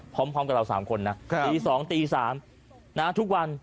พร้อมกับเรา๓คนนะตี๒ตี๓ทุกวัน